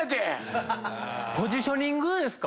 ポジショニングですか？